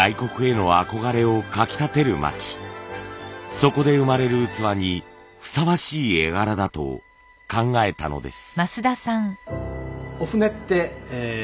そこで生まれる器にふさわしい絵柄だと考えたのです。